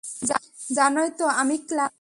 জানোই তো, আমি ক্লান্ত।